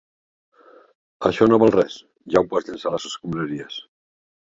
Això no val res: ja ho pots llençar a les escombraries.